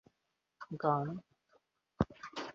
প্রথমে যাত্রা শুরু করেন ছবির মডেল হিসেবে।